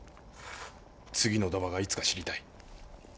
次の賭場がいつか知りたい。